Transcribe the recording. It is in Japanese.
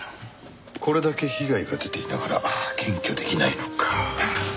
これだけ被害が出ていながら検挙出来ないのか。